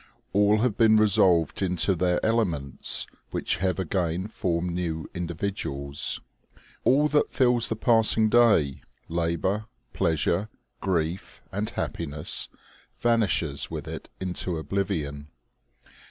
All have been resolved into their elements, which have again formed new individuals. All that fills the passing day labor, pleasure, grief and happiness vanishes with it into oblivion.